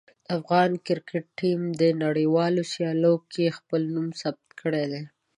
د افغان کرکټ ټیم د نړیوالو سیالیو کې خپل نوم ثبت کړی دی.